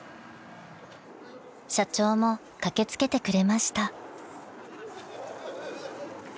［社長も駆け付けてくれました］